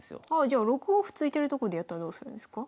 じゃあ６五歩突いてるとこでやったらどうするんですか？